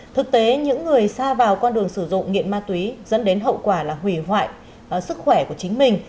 thực tế những người xa vào con đường sử dụng nghiện ma túy dẫn đến hậu quả là hủy hoại sức khỏe của chính mình